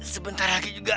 sebentar lagi juga